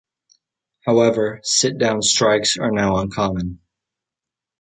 However, sit-down strikes are now uncommon.